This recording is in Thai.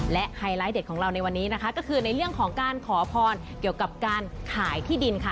และไฮไลท์เด็ดของเราในวันนี้นะคะก็คือในเรื่องของการขอพรเกี่ยวกับการขายที่ดินค่ะ